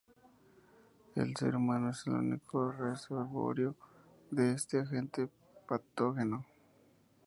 El ser humano es el único reservorio de este agente patógeno.